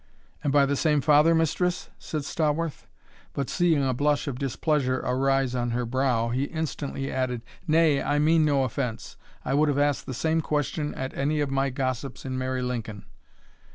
"And by the same father, mistress?" said Stawarth; but, seeing a blush of displeasure arise on her brow, he instantly added, "Nay, I mean no offence; I would have asked the same question at any of my gossips in merry Lincoln.